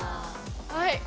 はい。